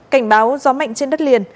cảnh báo gió mạnh trên đất liền